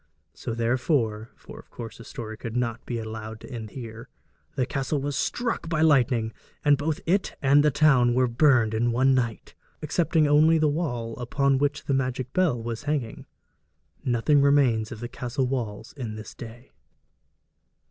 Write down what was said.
So therefore (for of course the story could not be allowed to end here) the castle was struck by lightning, and both it and the town were burned in one night excepting only the wall upon which the magic bell was hanging. Nothing remains of the castle walls in this day.